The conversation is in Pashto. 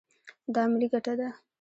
دا ملي ګټه ده.